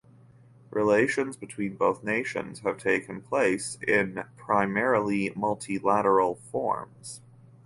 Relations between both nations have taken place in primarily multilateral forums.